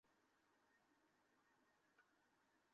সাফল্য প্রত্যাশী হতে গেলে অমন আবেগী হওয়াটা মোটেও বাড়াবাড়ি কিছু নয়।